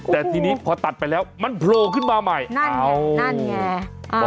แต่ทีนี้พอตัดไปแล้วมันโผล่ขึ้นมาใหม่นั่นไง